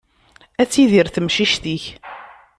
Ad tidir temcict-ik.